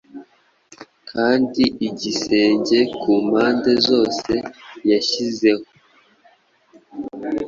Kandi igisenge Ku mpande zose Yashizeho